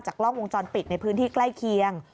กล้องวงจรปิดในพื้นที่ใกล้เคียง